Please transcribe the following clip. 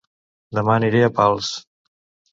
Dema aniré a Pals